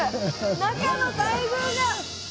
中の大群が！